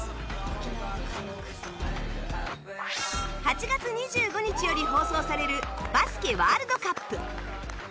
８月２５日より放送されるバスケワールドカップ